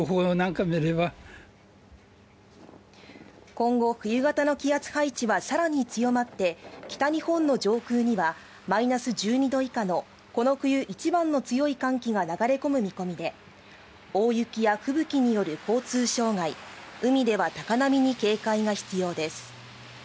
今後冬型の気圧配置はさらに強まって北日本の上空にはマイナス１２度以下のこの冬一番の強い寒気が流れ込む見込みで大雪や吹雪による交通障害海では高波に警戒が必要です